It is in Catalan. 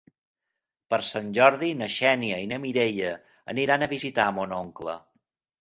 Per Sant Jordi na Xènia i na Mireia aniran a visitar mon oncle.